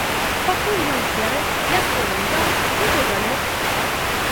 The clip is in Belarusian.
Пакуль ён збярэ, я сваё ўзяў і буду далёка!